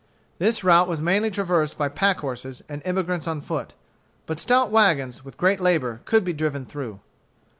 This route was mainly traversed by pack horses and emigrants on foot. But stout wagons, with great labor, could be driven through.